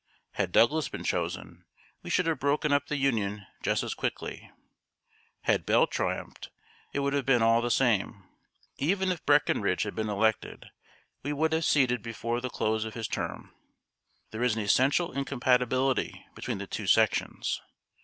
Had Douglas been chosen, we should have broken up the Union just as quickly. Had Bell triumphed, it would have been all the same. Even if Breckinridge had been elected, we would have seceded before the close of his term. There is an essential incompatibility between the two sections.